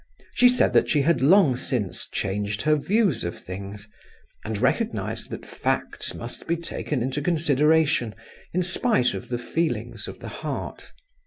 She said that she had long since changed her views of things, and recognized that facts must be taken into consideration in spite of the feelings of the heart.